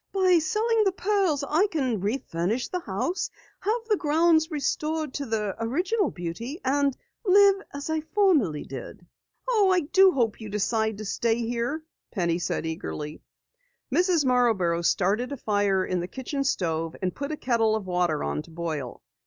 "By selling the pearls I can refurnish the house, have the grounds restored to their original beauty, and live as I formerly did!" "Oh, I do hope you decide to stay here," Penny said eagerly. Mrs. Marborough started a fire in the kitchen stove and put a kettle of water on to boil.